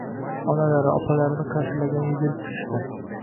onalari, opalarini qarshilagani yugurib chiqishdi.